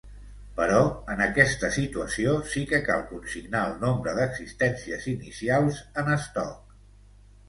Però, en aquesta situació, sí que cal consignar el nombre d'existències inicials en estoc.